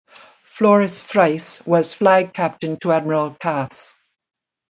Floris Friess was flag captain to admiral Kaas.